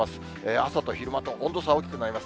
朝と昼間と温度差大きくなります。